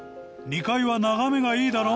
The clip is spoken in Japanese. ２階は眺めがいいだろ？